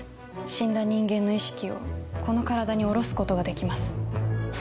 死んだ人間の意識をこの体に降ろすことができます。